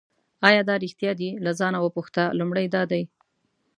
آیا دا ریښتیا دي له ځانه وپوښته لومړی دا دی.